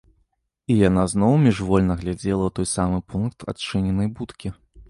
І яна зноў міжвольна глядзела ў той самы пункт адчыненай будкі.